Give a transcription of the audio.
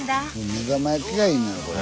目玉焼きがいいのよこれ。